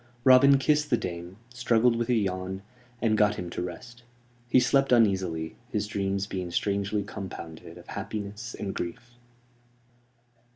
Robin kissed the dame, struggled with a yawn, and got him to rest. He slept uneasily, his dreams being strangely compounded of happiness and grief.